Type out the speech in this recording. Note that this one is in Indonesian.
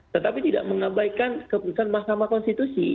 tetapi tidak mengabaikan keputusan mahkamah konstitusi